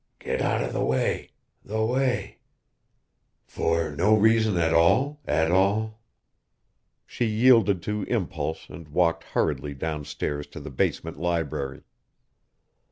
(Get out of the way, the way.... For no reason at all, at all....) She yielded to impulse and walked hurriedly downstairs to the basement library.